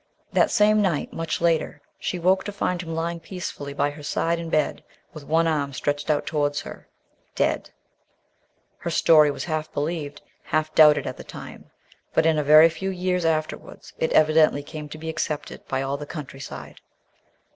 That same night, much later, she woke to find him lying peacefully by her side in bed, with one arm stretched out towards her, dead. Her story was half believed, half doubted at the time, but in a very few years afterwards it evidently came to be accepted by all the countryside.